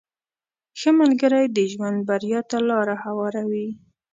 • ښه ملګری د ژوند بریا ته لاره هواروي.